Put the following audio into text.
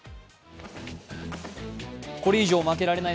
これ以上負けられない